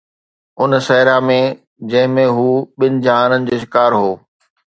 ان صحرا ۾ جنهن ۾ هو ٻن جهانن جو شڪار هو